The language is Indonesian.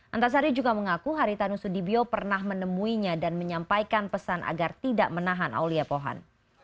antasari juga mengaku haritanu sudibyo pernah menemuinya dan menyampaikan pesan agar tidak menahan aulia pohan